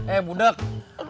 eh muda kan